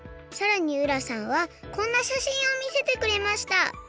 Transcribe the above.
さらに浦さんはこんなしゃしんをみせてくれました